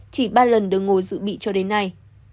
chỉ ba lần được ngồi dự bị cho đến nay